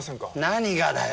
何がだよ？